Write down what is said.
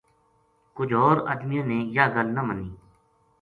کُج ہور ادمیاں نے یاہ گل نہ مَنی